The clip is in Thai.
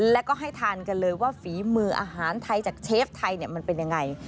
แล้วก็ให้ทานกันเลยว่าฝีมืออาหารไทยจากเชฟไทยมันเป็นยังไง